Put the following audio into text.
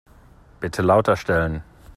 Bitte lauter stellen.